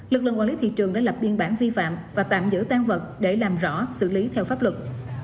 lực lượng quản lý thị trường đã lập biên bản vi phạm và tạm giữ tan vật để làm rõ xử lý theo pháp luật